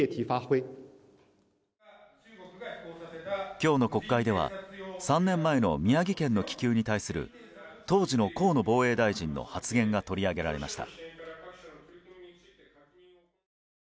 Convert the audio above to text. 今日の国会では３年前の宮城県の気球に対する当時の河野防衛大臣の発言が取り上げられました。